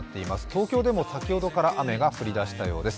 東京でも、先ほどから雨が降り出したようです。